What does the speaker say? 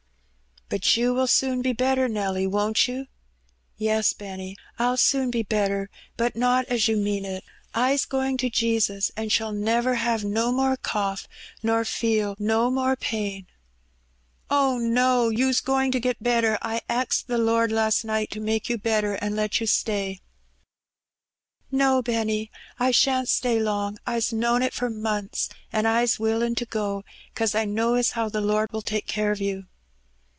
" But you will soon be better, Nelly, won't you ?" "Yes, Benny, I'll soon be better, but not as you mean it. I's going to Jesus, and shall never have no more cough, nor feel no more pain.^' " Oh, no ! you's going to get better. I axed the Lord last night to make you better an' let you stay." " No, Benny, I shan't stay long. I's known it for months, an' I's willin' to go, 'cause I know as how the Lord will take care of you."